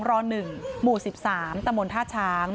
ร๑หมู่๑๓ตมทช